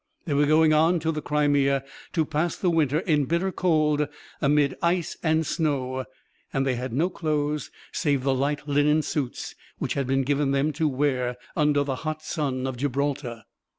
They were going on to the Crimea, to pass the winter in bitter cold, amid ice and snow; and they had no clothes save the light linen suits which had been given them to wear under the hot sun of Gibraltar.